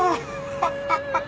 ハハハハ！